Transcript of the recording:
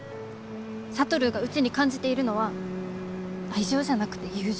智がうちに感じているのは愛情じゃなくて友情。